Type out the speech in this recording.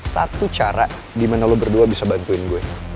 satu cara gimana lo berdua bisa bantuin gue